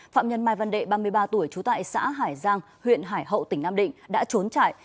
phạm nhân mai văn đệ ba mươi ba tuổi trú tại xã hải giang huyện hải hậu tỉnh nam định đã trốn chạy